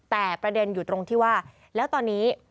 แต่ประเด็นอยู่ตรงที่ว่าแล้วตอนนี้